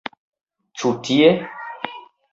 Ĉu tie?